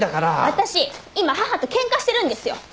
私今母とケンカしてるんですよ。